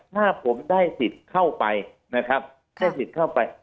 ถ้าผมได้สิทธิ์เข้าไปนะครับได้สิทธิ์เข้าไป